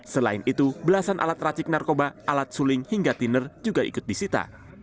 selain itu belasan alat racik narkoba alat suling hingga tiner juga ikut disita